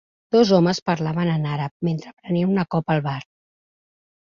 Dos homes parlaven en àrab mentre prenien una copa al bar.